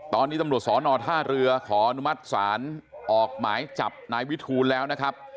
ตอนนี้ตำรวจสอนอท่าเรือขออนุมัติศาลออกหมายจับนายวิทูลแล้วนะครับ